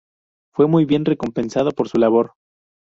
Fue muy bien recompensado por su labor.